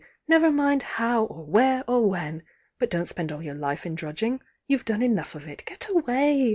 — never mind how, or where, or when,— but don t spend all your life in drudging. You've done enough of it^get away!